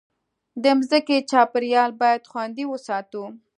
د مځکې چاپېریال باید خوندي وساتو.